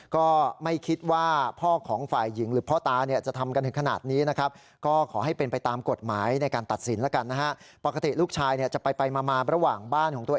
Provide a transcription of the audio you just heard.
ก็ไม่คิดว่าพ่อของฝ่ายหญิงหรือพ่อตาเนี่ยจะทำกันถึงขนาดนี้นะครับ